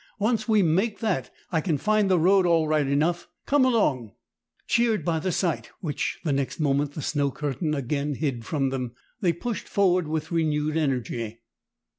"Once we make that, I can find the road all right enough. Come along!" Cheered by the sight, which the next moment the snow curtain again hid from them, they pushed forward with renewed energy.